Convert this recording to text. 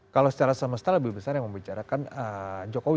kalau secara semesta lebih besar yang membicarakan jokowi